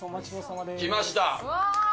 きました。